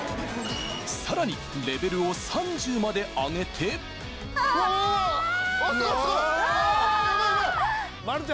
さらにレベルを３０まで上げてわ！